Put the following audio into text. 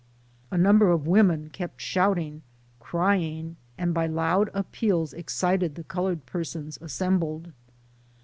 A number of women kept shouting, crying, and by loud appeals excited the colored persons assembled.